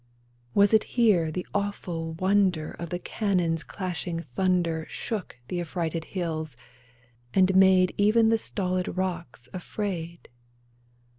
Was it here the awful wonder Of the cannon's crashing thunder Shook the affrighted hills, and made Even the stolid rocks afraid